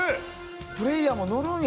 プレーヤーものるんや。